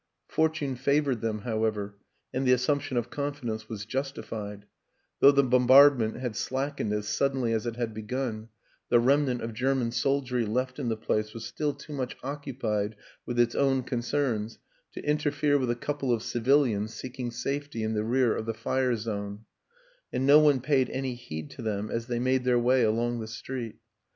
Fortune fa vored them, however, and the assumption of con fidence was justified; though the bombardment had slackened as suddenly as it had begun, the remnant of German soldiery left in the place was still too much occupied with its own concerns to interfere with a couple of civilians seeking safety in the rear of the fire zone, and no one paid any heed to them as they made their way along the street.